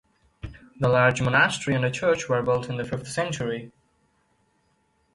The large monastery and a church were built in the fifth century.